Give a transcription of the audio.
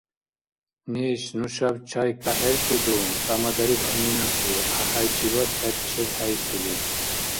— Неш, нушаб чай кахӀертӀиду? — тӀамадариб Аминатли, гӀяхӀяйчибад хӀер чебхӀейсули.